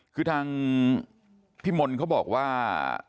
คือทางพี่มนต์เขาบอกว่า